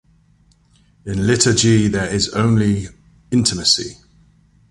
In liturgy there is only intimacy.